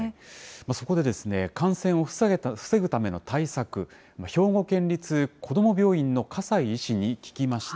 そこで感染を防ぐための対策、兵庫県立こども病院の笠井医師に聞きました。